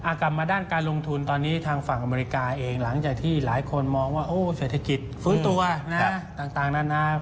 กลับมาด้านการลงทุนตอนนี้ทางฝั่งอเมริกาเองหลังจากที่หลายคนมองว่าโอ้เศรษฐกิจฟื้นตัวนะต่างนานา